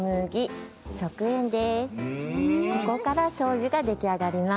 ここからしょうゆができあがります。